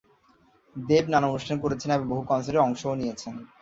দেব নানা অনুষ্ঠান করেছেন এবং বহু কনসার্টে অংশও নিয়েছেন।